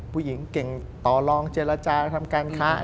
ผู้หญิงเก่งต่อลองเจรจาทำการค้า